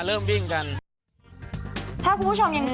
น้องพลงรางนี่